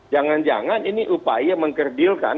jangan jangan ini upaya mengkerdilkan